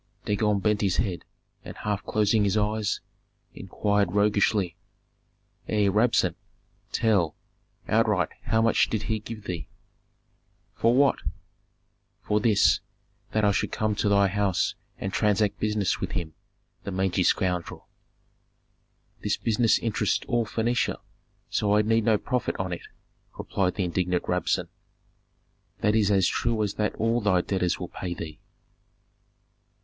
Dagon bent his head, and half closing his eyes, inquired roguishly, "Ei, Rabsun! Tell, outright how much did he give thee?" "For what?" "For this, that I should come to thy house and transact business with him, the mangy scoundrel." "This business interests all Phœnicia, so I need no profit on it," replied the indignant Rabsun. "That is as true as that all thy debtors will pay thee."